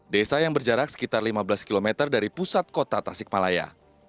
desa yang berjarak sekitar lima belas km dari pusat kota tasikmalaya